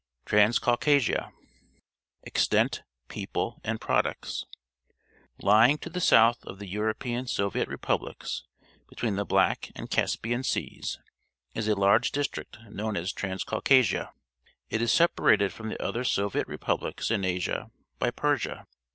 TRANSCAUCASIA Extent, People, and Products. — Ljdng to the south of the European Soviet Republics, between the Black and Caspian Seas, is a large district known as Transcaucasia. It is separated from the other 8o\det Republics in Asia by Persia.